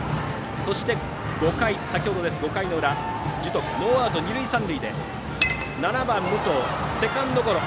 そして、５回の裏の樹徳ノーアウト二塁三塁で７番、武藤がセカンドゴロ。